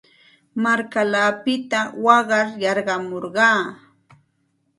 Markallaapita waqar yarqamurqaa.